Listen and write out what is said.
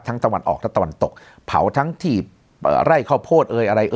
ทั้งตะวันออกทั้งตะวันตกเผาทั้งที่ไล่ข้าวโพธิอะไร